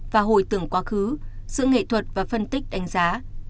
và hồi tưởng quá khứ sự nghệ thuật và phân tích đánh giá